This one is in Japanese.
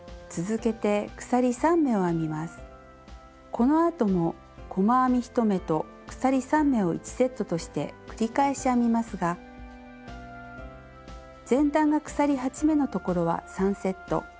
このあとも細編み１目と鎖３目を１セットとして繰り返し編みますが前段が鎖８目のところは３セット。